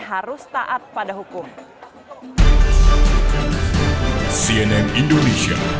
jatian epa jayante